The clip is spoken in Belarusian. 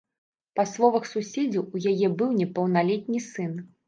Па словах суседзяў, у яе быў непаўналетні сын.